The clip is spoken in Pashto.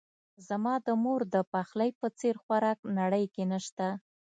زما د مور دپخلی په څیر خوراک نړۍ کې نه شته